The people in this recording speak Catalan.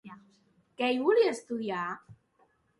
Què hi volia estudiar?